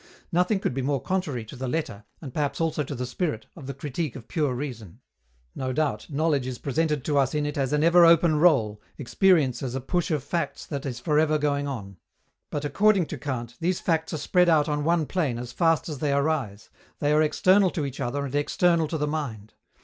Nothing could be more contrary to the letter, and perhaps also to the spirit, of the Critique of Pure Reason. No doubt, knowledge is presented to us in it as an ever open roll, experience as a push of facts that is for ever going on. But, according to Kant, these facts are spread out on one plane as fast as they arise; they are external to each other and external to the mind.